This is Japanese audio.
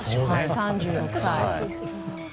３６歳。